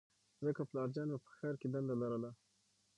ځکه پلارجان مې په ښار کې دنده لرله